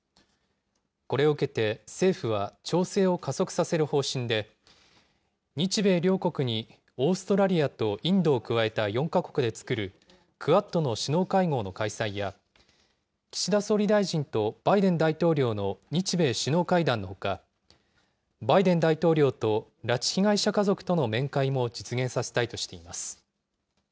これを受けて政府は、調整を加速させる方針で、日米両国にオーストラリアとインドを加えた４か国で作るクアッドの首脳会合の開催や、岸田総理大臣とバイデン大統領の日米首脳会談のほか、バイデン大統領と拉致被害者家族との面会も実現させたいとしています。